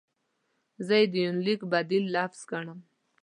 زه یې د یونلیک بدیل لفظ ګڼم.